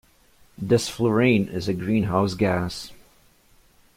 Desflurane is a greenhouse gas.